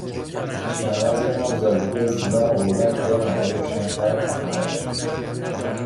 شمع از امامزاده دزدیدم، آوردم توی انبار روشن کردم تا تموم بشه